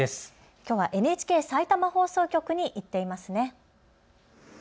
きょうはＮＨＫさいたま放送局に行っていますね。